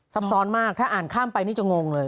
ซับซ้อนมากถ้าอ่านข้ามไปนี่จะงงเลย